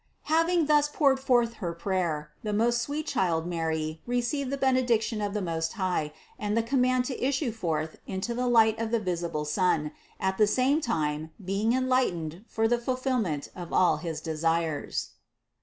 Having thus poured forth her prayer, the most sweet child Mary received the benediction of the Most High and the command to issue forth into the light of the visible sun, at the same time being enlight ened for the fulfillment of all his desires.